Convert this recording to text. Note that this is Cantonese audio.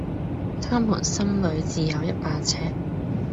他們心裏自有一把尺